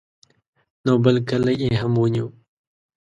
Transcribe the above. نو بل کلی یې هم ونیو.